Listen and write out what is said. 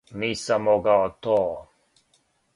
Нисам могао то.